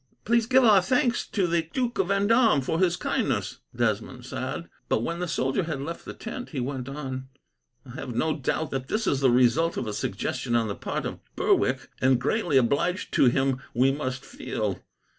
"Please to give our thanks to the Duke of Vendome, for his kindness," Desmond said; but when the soldier had left the tent, he went on, "I have no doubt that this is the result of a suggestion on the part of Berwick, and greatly obliged to him we must feel.